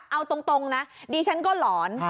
เอาตรงนะดิฉันก็หลอน